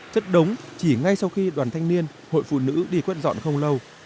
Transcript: chất đống chỉ ngay sau khi đoàn thanh niên hội phụ nữ đi quét dọn không lâu